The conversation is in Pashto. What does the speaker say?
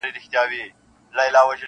• د هغه له ملاتړ څخه لاس اخلم -